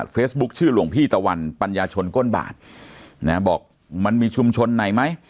ชื่อหลวงพี่ตะวันปัญญาชนก้นบาทนะบอกมันมีชุมชนไหนไหม